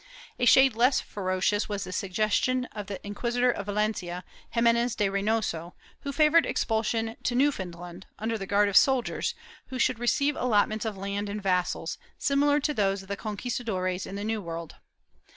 A shade less ferocious was the suggestion of the Inquisitor of Valencia, Ximenez de Reynoso, who favored expulsion to New foundland, under the guard of soldiers, who should receive allot ments of land and vassals, similar to those of the conquistadores in the New World.